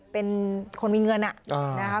เป็นคนมีเงินน่ะ